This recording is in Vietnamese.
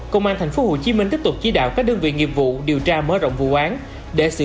công an thành phố hồ chí minh tiếp tục chỉ đạo các đơn vị nghiệp vụ điều tra mở rộng vụ án để xử